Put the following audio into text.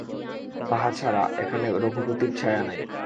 তাহা ছাড়া, এখানে রঘুপতির ছায়া নাই।